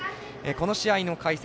この試合の解説